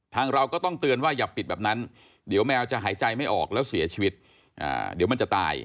เราก็ต้องเตือนว่าอย่าปิดแบบนั้นเดี๋ยวแมวจะหายใจไม่ออกแล้วเสียชีวิตเดี๋ยวมันจะตาย